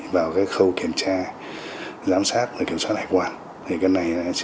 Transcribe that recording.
vào khâu kiểm tra kiểm soát và kiểm soát hải quan